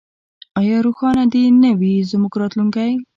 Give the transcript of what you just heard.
آیا روښانه دې نه وي زموږ راتلونکی؟